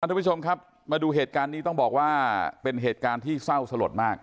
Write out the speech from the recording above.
ทุกผู้ชมครับมาดูเหตุการณ์นี้ต้องบอกว่าเป็นเหตุการณ์ที่เศร้าสลดมาก